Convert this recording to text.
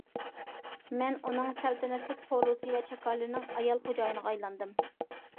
مەن ئۇنىڭ سەلتەنەتلىك قورۇسى ۋە چاكارلىرىنىڭ ئايال خوجايىنىغا ئايلاندىم.